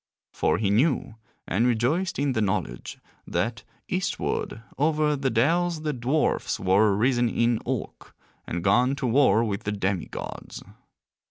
For he knew, and rejoiced in the knowledge, that eastward over the dells the dwarfs were risen in Ulk, and gone to war with the demi gods.